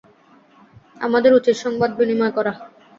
আমাদের উচিত সংবাদ বিনিময় করা।